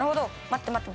待って。